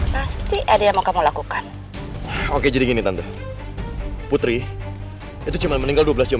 pasti ada yang mau kamu lakukan oke jadi gini tentu putri itu cuma meninggal dua belas jam